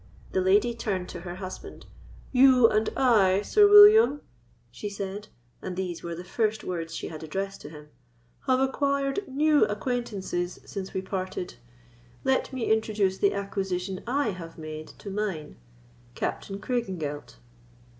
The lady turned to her husband. "You and I, Sir William," she said, and these were the first words she had addressed to him, "have acquired new acquaintances since we parted; let me introduce the acquisition I have made to mine—Captain Craigengelt."